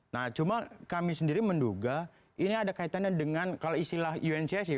nah cuma kami sendiri menduga ini ada kaitannya dengan kalau istilah uncc